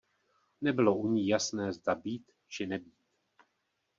Nebylo u ní jasné, zda být, či nebýt.